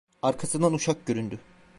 Arkasından uşak göründü.